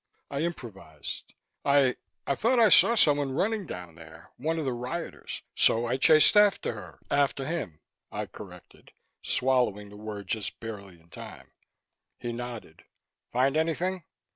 I improvised: "I I thought I saw someone running down there. One of the rioters. So I chased after her after him," I corrected, swallowing the word just barely in time. He nodded. "Find anything?"